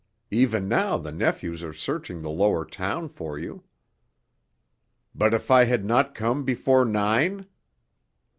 Even now the nephews are searching the lower town for you." "But if I had not come before nine?"